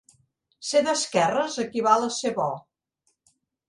Ser d'esquerres equival a ser bo.